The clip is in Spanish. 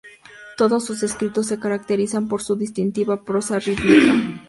Todos sus escritos se caracterizan por su distintiva prosa rítmica.